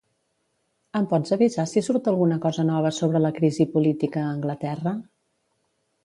Em pots avisar si surt alguna cosa nova sobre la crisi política a Anglaterra?